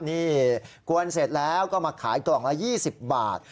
นี่กวนเสร็จแล้วก็มาขายกล่องละ๒๐บาท